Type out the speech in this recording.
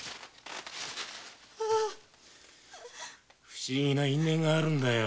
不思議な因縁があるんだよ。